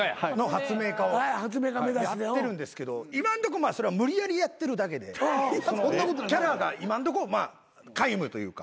発明家をやってるんですけど今んとこそれは無理やりやってるだけでキャラが今んとこ皆無というか。